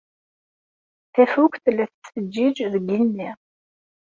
Tafukt la tettfejjij deg yigenni.